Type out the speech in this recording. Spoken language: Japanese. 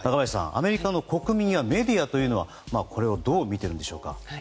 アメリカの国民やメディアはこれをどう見ているんでしょうか。